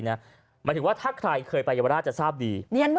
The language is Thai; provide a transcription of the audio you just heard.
หมายถึงว่าถ้าใครเคยไปเยาวราชจะทราบดี